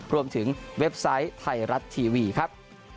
รวมถึงเว็บไซต์ไทรัสทีวีครับ